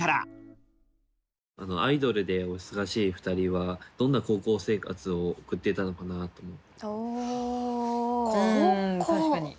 アイドルでお忙しい二人はどんな高校生活を送っていたのかなと思って。